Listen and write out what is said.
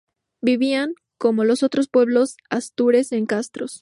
Vivían, como los otros pueblos astures, en castros.